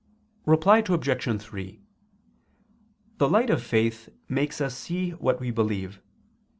Reply Obj. 3: The light of faith makes us see what we believe.